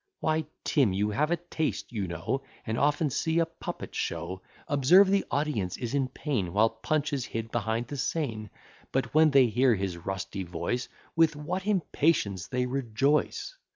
Why, Tim, you have a taste you know, And often see a puppet show: Observe the audience is in pain, While Punch is hid behind the scene: But, when they hear his rusty voice, With what impatience they rejoice!